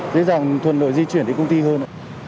dễ dàng thuận lợi di chuyển đến công ty hơn ạ